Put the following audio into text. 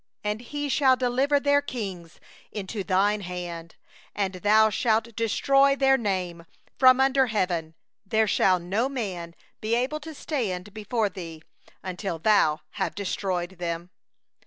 24And He shall deliver their kings into thy hand, and thou shalt make their name to perish from under heaven; there shall no man be able to stand against thee, until thou have destroyed them.